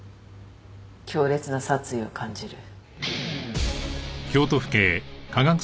強烈な殺意を感じる。